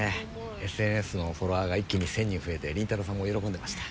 ＳＮＳのフォロワーが一気に１０００人増えて倫太郎さんも喜んでました。